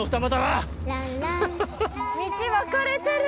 道分かれてる！